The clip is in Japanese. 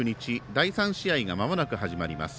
第３試合がまもなく始まります。